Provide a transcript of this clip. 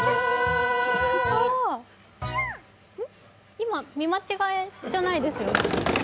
今、見間違えじゃないですよね？